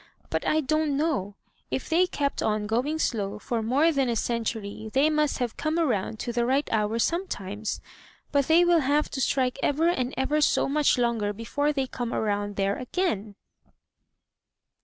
But I don't know. If they kept on going slow for more than a century they must have come around to the right hour sometimes. But they will have to strike ever and ever so much longer before they come around there again!"